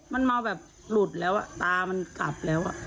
มันเมาแบบหลุดแล้วตามันกลับแล้ว